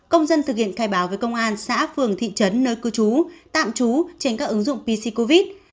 công dân thực hiện khai báo với công an xã phường thị trấn nơi cư trú tạm trú trên các ứng dụng pc covid